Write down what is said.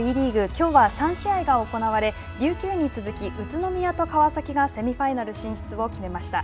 きょうは３試合が行われ琉球に続き宇都宮と川崎がセミファイナル進出を決めました。